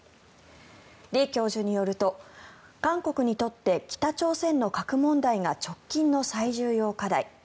李教授によると韓国にとって北朝鮮の核問題が直近の最重要課題